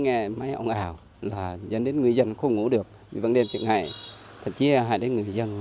nghe máy ống ảo dẫn đến người dân không ngủ được vì băng đêm chừng ngày thậm chí là hại đến người dân